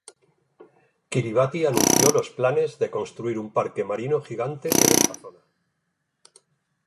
Kiribati anunció los planes de construir un parque marino gigante en esta zona.